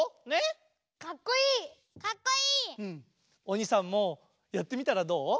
鬼さんもやってみたらどお？